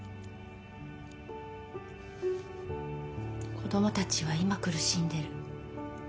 子供たちは今苦しんでる。